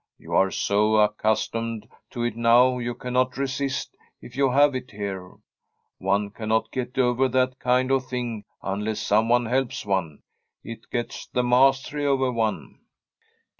You are so accustomed to it now you cannot resist if you have it here. One cannot get over that kind of thing unless someone helps one ; it gets the mastery over one.'